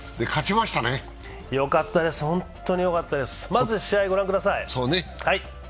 まず試合を御覧ください。